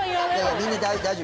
みんな大丈夫